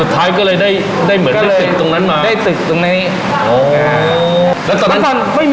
โหโหโหโหโหโห